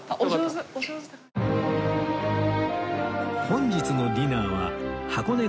本日のディナーは箱根